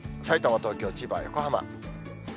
さいたま、東京、千葉、横浜。